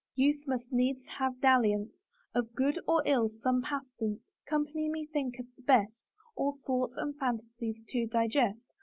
Youth must needs have dalliance. Of good or ill some pastance ; Company me thinketh the best All thoughts and fantasies to digest.